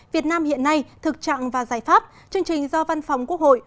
việt nam hiện nay thực trạng và giải pháp chương trình do văn phòng quốc hội